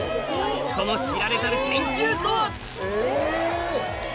その知られざる研究とは？え！